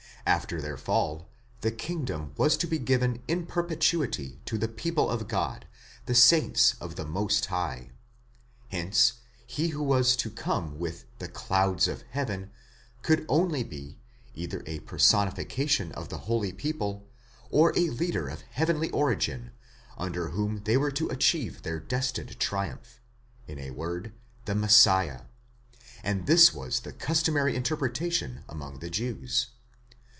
After their fall, the kingdom was to be given in perpetuity to the People of God, the saints of the Most High: hence, he who was to come with clouds of heaven could only be, either a personification of the holy people,® or a leader of heavenly origin under whom they were to achieve their destined triumph—in a word, the Messiah; and this was the customary interpretation among the Jews.